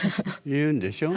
言うんでしょ？